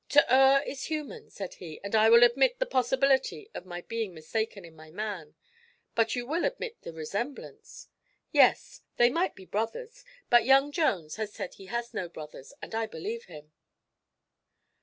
"To err is human," said he, "and I will admit the possibility of my being mistaken in my man. But you will admit the resemblance?" "Yes. They might be brothers. But young Jones has said he has no brothers, and I believe him."